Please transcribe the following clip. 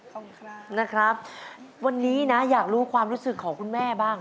ขอบคุณครับนะครับวันนี้นะอยากรู้ความรู้สึกของคุณแม่บ้าง